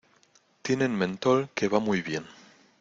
tienen mentol que va muy bien.